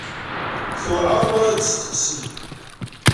Tewɛer mi ara d-testeqsi.